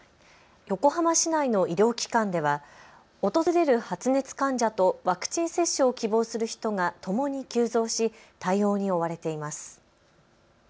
横浜市内の医療機関では訪れる発熱患者とワクチン接種を希望する人がともに急増し対応に追われています。